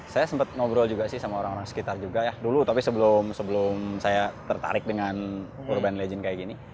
saya sempat ngobrol juga sih sama orang orang sekitar juga ya dulu tapi sebelum saya tertarik dengan urban legend kayak gini